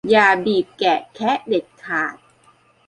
อย่าบีบแกะแคะเด็ดขาด